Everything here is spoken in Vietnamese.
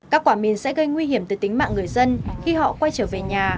các quả mìn sẽ gây nguy hiểm từ tính mạng người dân khi họ quay trở về nhà